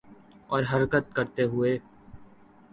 اور حرکت کرتے ہوئے